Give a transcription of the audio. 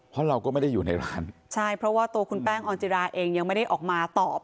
เพราะเราก็ไม่ได้อยู่ในร้านใช่เพราะว่าตัวคุณแป้งออนจิราเองยังไม่ได้ออกมาตอบ